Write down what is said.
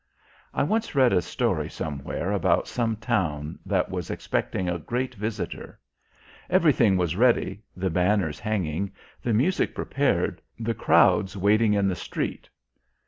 I once read a story somewhere about some town that was expecting a great visitor. Everything was ready, the banners hanging, the music prepared, the crowds waiting in the street.